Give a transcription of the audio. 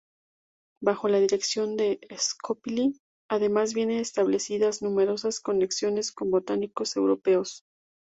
Bajo la dirección de Scopoli además vienen establecidas numerosas conexiones con botánicos europeos.